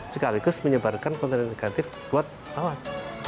sekaligus menyebarkan konten negatif buat lawan